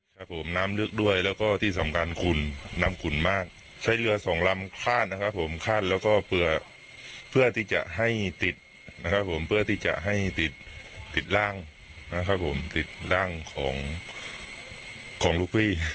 ครับผมน้ำลึกด้วยแล้วก็ที่สำคัญขุ่นน้ำขุ่นมากใช้เรือสองลำคาดนะครับผมคาดแล้วก็เผื่อเพื่อที่จะให้ติดนะครับผมเพื่อที่จะให้ติดติดร่างนะครับผมติดร่างของของลูกพี่